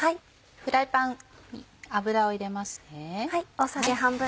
フライパンに油を入れますね。